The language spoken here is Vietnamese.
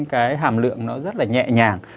cái hàm lượng nó rất là nhẹ nhàng